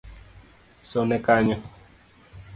Sone kanyo